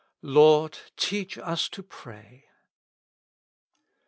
'' Lord teach us to pray."